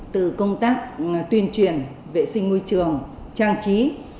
từ công tác tuyên truyền vệ sinh môi trường trang trí